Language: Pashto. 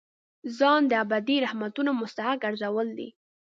ځان د ابدي رحمتونو مستحق ګرځول دي.